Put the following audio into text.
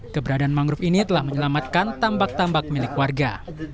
keberadaan mangrove ini telah menyelamatkan tambak tambak milik warga